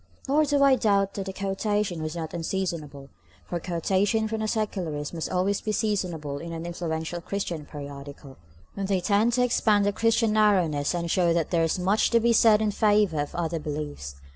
Nor do I doubt that the quotation was not unseasonable, for quotations from the Secularist must always be seasonable in an influential Christian periodical, when they tend to expand the Christian narrowness, and show that there is much to be said in favor of other beliefs.